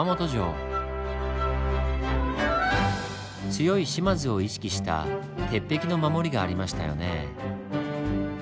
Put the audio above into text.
強い島津を意識した鉄壁の守りがありましたよね。